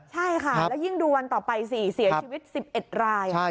ใช่ค่ะแล้วยิ่งดูวันต่อไปสิเสียชีวิต๑๑ราย